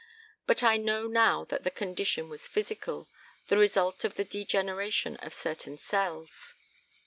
But I know now that the condition was physical, the result of the degeneration of certain cells.